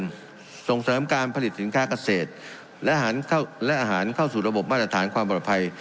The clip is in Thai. ส่งเสริมการผลิตสินค้าเกษตรและอาหารเข้าสู่ระบบมาตรฐานความปลอดภัย